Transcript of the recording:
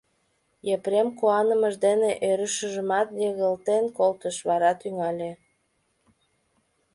Епрем куанымыж дене ӧрышыжымат йыгалтен колтыш, вара тӱҥале.